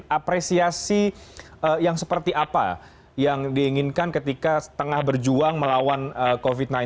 apresiasi yang seperti apa yang diinginkan ketika tengah berjuang melawan covid sembilan belas